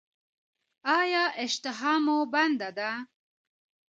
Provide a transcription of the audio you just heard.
ایا اشتها مو بنده ده؟